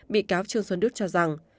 bị cáo trương xuân đức cho rằng